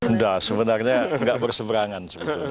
udah sebenarnya enggak berseberangan